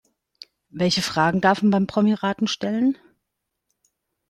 Welche Fragen darf man beim Promiraten stellen?